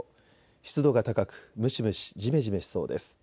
湿度が高く蒸し蒸し、じめじめしそうです。